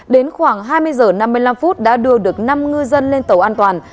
đến khoảng hai mươi giờ năm mươi năm phút đã đưa được năm ngư dân lên tàu an toàn